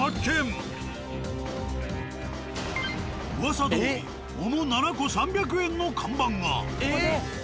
［噂どおり桃７個３００円の看板が］